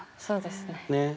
そうですね。